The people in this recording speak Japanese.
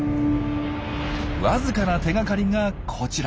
わずかな手がかりがこちら。